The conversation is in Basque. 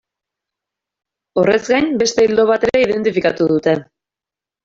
Horrez gain, beste ildo bat ere identifikatu dute.